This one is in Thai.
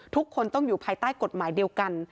ทุกคนต้องอยู่ภายใต้กฎหมายเดียวกัน